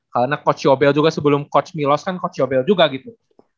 karena coach siobel juga sebelum coach milos kan coach siobel juga gitu